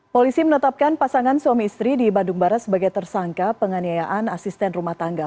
polisi menetapkan pasangan suami istri di bandung barat sebagai tersangka penganiayaan asisten rumah tangga